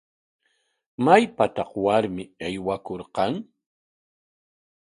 ¿Maypataq warmi aywakurqan?